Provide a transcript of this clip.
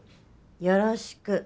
よろしく。